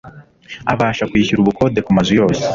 abasha kwishyura ubukode kumazu yose